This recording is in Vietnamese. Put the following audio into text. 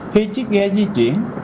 khi chiếc ghe di chuyển